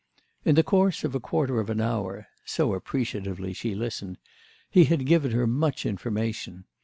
In the course of a quarter of an hour—so appreciatively she listened—he had given her much information.